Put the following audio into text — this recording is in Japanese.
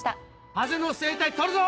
ハゼの生態撮るぞ！